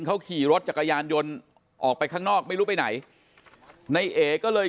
เขาขี่รถจักรยานยนต์ออกไปข้างนอกไม่รู้ไปไหนในเอก็เลย